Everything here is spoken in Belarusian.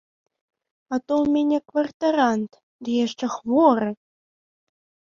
А то ў мяне кватарант, ды яшчэ хворы!